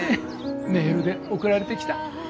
メールで送られてきた。